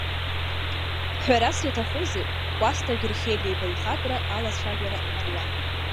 Ҳәарас иаҭахузеи, Кәасҭа Герхелиа ибаҩхатәра алацәажәара мариам.